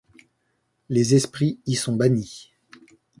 Les esprits y sont bannis.